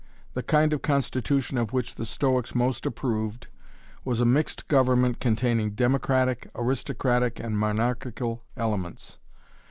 The kind of constitution of which the Stoics most approved was a mixed government containing democratic, aristocratic, and monarchical elements.